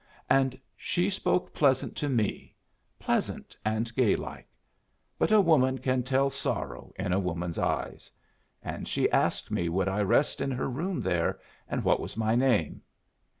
"And she spoke pleasant to me pleasant and gay like. But a woman can tell sorrow in a woman's eyes. And she asked me would I rest in her room there, and what was my name.